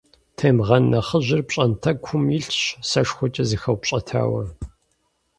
Темгъэн нэхъыжьыр пщӏантӏэкум илъщ, сэшхуэкӏэ зэхэупщӏэтауэ.